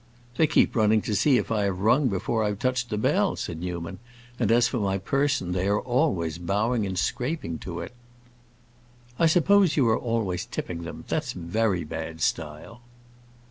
"They keep running to see if I have rung before I have touched the bell," said Newman "and as for my person they are always bowing and scraping to it." "I suppose you are always tipping them. That's very bad style."